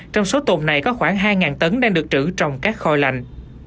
trong số tồn này có khoảng hai tấn đang được trữ trong các kho lạnh